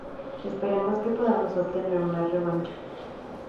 Esperemos que podamos obtener una revancha.